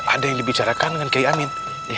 ada yang dibicarakan dengan kiai amin